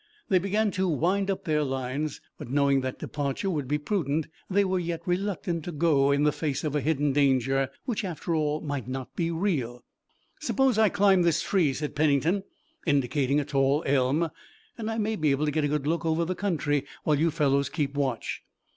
They began to wind up their lines, but knowing that departure would be prudent they were yet reluctant to go in the face of a hidden danger, which after all might not be real. "Suppose I climb this tree," said Pennington, indicating a tall elm, "and I may be able to get a good look over the country, while you fellows keep watch."